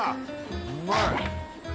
うまい。